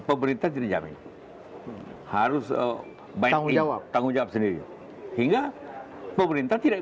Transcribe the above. pemerintah diri jamin harus tanggung jawab tanggung jawab sendiri hingga pemerintah tidak